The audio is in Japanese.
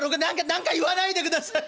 「何か言わないでください。